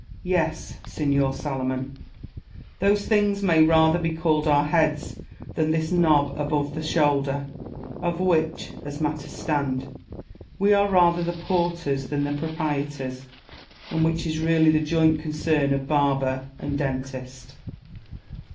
Alfieri. Yes, signer Salomon, those things may rather be called our heads than this knob above the shoulder, of which (as matters stand) we are rather the porters than the proprietors, and which is really the joint concern of barber and dentist.